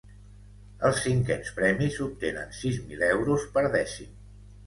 Els cinquens premis obtenen sis mil euros per dècim.